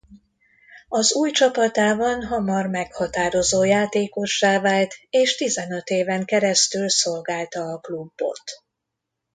Az új csapatában hamar meghatározó játékossá vált és tizenöt éven keresztül szolgálta a klubot.